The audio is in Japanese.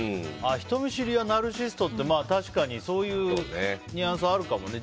人見知りはナルシストって確かに、そういうニュアンスはあるかもね。